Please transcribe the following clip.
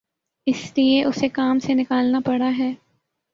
اس لیے اُسے کام سے نکالنا پڑا ہے